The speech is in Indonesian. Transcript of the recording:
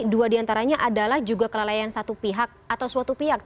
dua di antaranya adalah juga kelelayan satu pihak atau suatu pihak